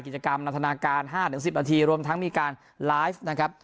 กิจกรรมนันทนาการ๕๑๐นาทีรวมทั้งมีการไลฟ์นะครับ